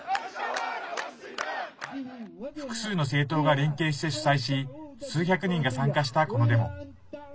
複数の政党が連携して主催し数百人が参加した、このデモ。